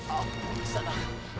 ampun kisah nak